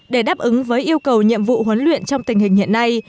để đáp ứng với yêu cầu nhiệm vụ huấn luyện trong tình hình hiện nay